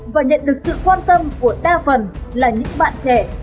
và nhận được sự quan tâm của đa phần là những bạn trẻ